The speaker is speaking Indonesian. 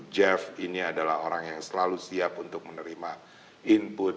jeff ini adalah orang yang selalu siap untuk menerima input